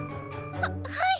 ははい。